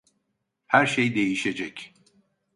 Her şey değişecek.